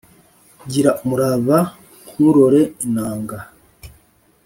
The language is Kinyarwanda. gira umurava nkurore iranga